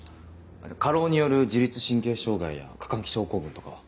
過労による自律神経障害や過換気症候群とかは？